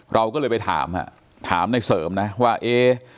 เราก็เลยไปถามถามในเสริมนะว่าเอ๊ะ